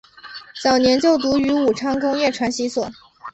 早年就读于武昌工业传习所。